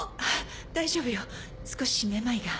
大丈夫よ少しめまいが。